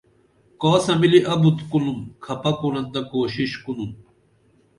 کاسہ ملی ابُت کُنُم کھپہ کُرَن تہ کوشش کُنُن